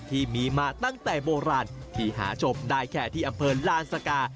ที่มีมาตั้งแต่โบราณที่หาชมได้แค่ที่อำเภอลานสกา